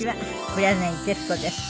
黒柳徹子です。